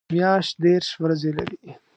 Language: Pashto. میاشت دېرش ورځې لري